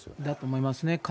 だと思いますね。